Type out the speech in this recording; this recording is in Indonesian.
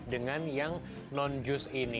dengan yang non jus ini